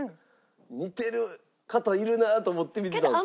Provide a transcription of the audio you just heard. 「似てる方いるなあ」と思って見てたんですか？